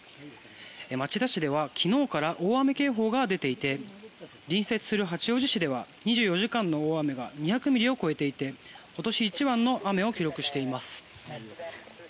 町田市では昨日から大雨警報が出ていて隣接する八王子市では２４時間の大雨が２００ミリを超えていて今年一番の雨を記録しています。